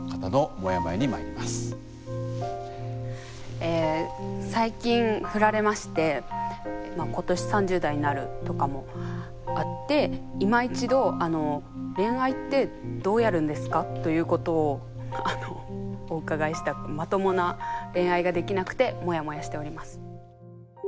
え最近振られまして今年３０代になるとかもあっていま一度恋愛ってどうやるんですかということをお伺いしたくてまともな恋愛ができなくてモヤモヤしております。